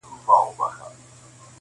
• دُرانیډک له معناوو لوی انسان دی,